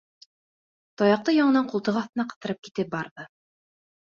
Таяҡты яңынан ҡултыҡ аҫтына ҡыҫтырып китеп барҙы.